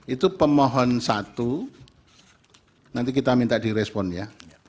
itu pemohon satu nanti kita minta direspon ya